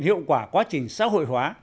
kết quả quá trình xã hội hóa